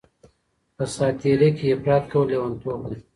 په ساعت تیرۍ کي افراط کول لیونتوب دی.